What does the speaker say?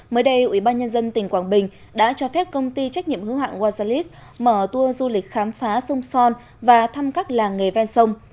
mới đây ủy ban nhân dân tỉnh quảng bình đã cho phép công ty trách nhiệm hứa hạng wazalis mở tour du lịch khám phá sông son và thăm các làng nghề ven sông